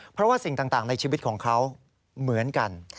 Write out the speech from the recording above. เพราะว่าสิ่งต่างในชีวิตของเขาเหมือนกัน